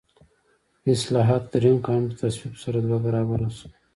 د اصلاحاتو درېیم قانون په تصویب سره دوه برابره شو.